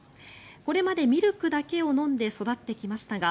これまでミルクだけを飲んで育ってきましたが